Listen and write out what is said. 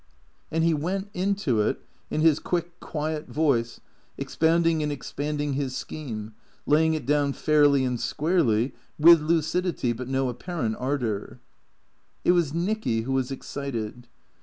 And he went into it, in his quick, quiet voice, expounding and expanding his scheme, laying it down fairly and squarely, with lucidity but no apparent ardour. It was Nicky who was excited.